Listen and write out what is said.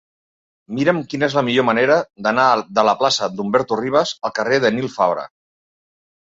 Mira'm quina és la millor manera d'anar de la plaça d'Humberto Rivas al carrer de Nil Fabra.